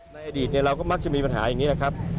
ในอดีตเราก็มักจะมีปัญหาอย่างนี้